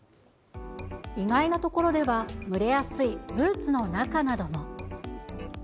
意外な所では、蒸れやすいブーツの中なども。